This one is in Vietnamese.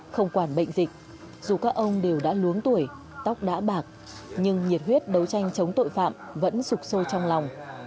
không quản bệnh dịch dù các ông đều đã luống tuổi tóc đã bạc nhưng nhiệt huyết đấu tranh chống tội phạm vẫn sụp sôi trong lòng